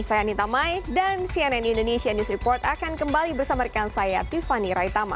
saya anita mai dan cnn indonesia news report akan kembali bersama rekan saya tiffany raitama